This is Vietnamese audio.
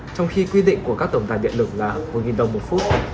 trong khi quy định của các tổng tài điện lực là một mươi đồng một phút